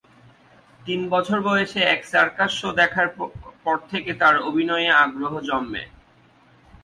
তিন বছর বয়সে এক সার্কাস শো দেখার পর থেকে তার অভিনয়ে আগ্রহ জন্মে।